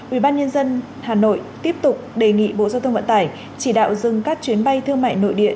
ubnd hà nội tiếp tục đề nghị bộ giao thông vận tải chỉ đạo dừng các chuyến bay thương mại nội địa